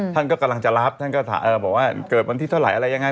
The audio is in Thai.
ท่านก็กำลังจะรับท่านก็บอกว่าเกิดวันที่เท่าไหร่อะไรยังไง